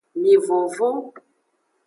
Mi vonvon.